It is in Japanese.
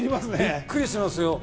びっくりしますよ。